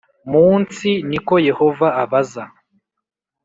munsi ni ko Yehova abaza